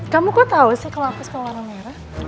kamu kok tahu sih kalau aku suka warna merah